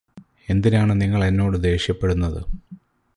എന്തിനാണ് നിങ്ങൾ എന്നോട് ദേഷ്യപ്പെടുന്നത്?